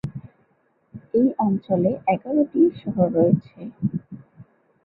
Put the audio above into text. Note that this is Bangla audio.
এই অঞ্চলে এগারোটি শহর রয়েছে।